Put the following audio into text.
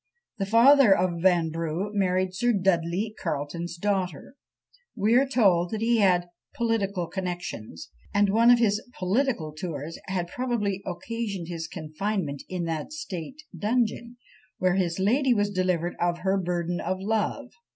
The father of Vanbrugh married Sir Dudley Carleton's daughter. We are told he had "political connexions;" and one of his "political" tours had probably occasioned his confinement in that state dungeon, where his lady was delivered of her burden of love.